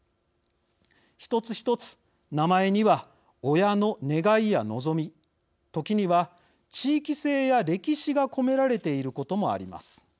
一つ一つ名前には親の願いや望み時には、地域性や歴史が込められていることもあります。